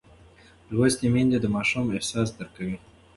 لوستې میندې د ماشوم احساسات درک کوي.